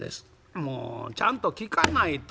「もうちゃんと聞かないと。